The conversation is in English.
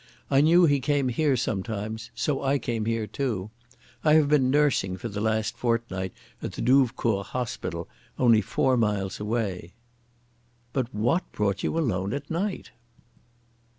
I knew he came here sometimes, so I came here too. I have been nursing for the last fortnight at the Douvecourt Hospital only four miles away." "But what brought you alone at night?"